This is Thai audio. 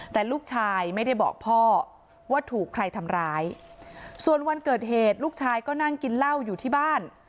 แต่ลูกชายไม่ได้บอกพ่อว่าถูกใครทำร้ายส่วนวันเกิดเหตุลูกชายก็นั่งกินเหล้าอยู่ที่บ้าน